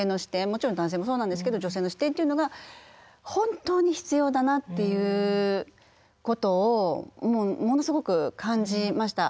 もちろん男性もそうなんですけど女性の視点というのが本当に必要だなっていうことをものすごく感じました。